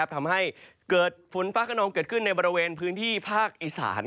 ทำให้เกิดฝนฟ้าขนองเกิดขึ้นในบริเวณพื้นที่ภาคอีสาน